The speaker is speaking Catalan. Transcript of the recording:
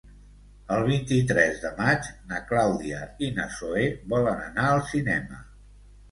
El vint-i-tres de maig na Clàudia i na Zoè volen anar al cinema.